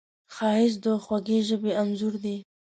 ښایست د خوږې ژبې انځور دی